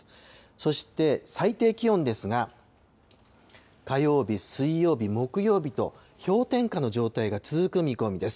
そして最低気温ですが、火曜日、水曜日、木曜日と、氷点下の状態が続く見込みです。